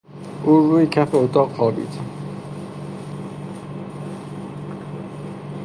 او روی کف اتاق خوابید.